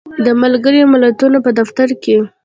د ملګری ملتونو په دفتر کې